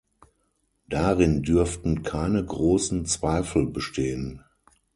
Darin dürften keine großen Zweifel bestehen.